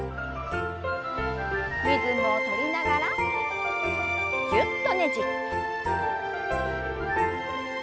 リズムを取りながらぎゅっとねじって。